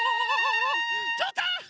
ちょっと！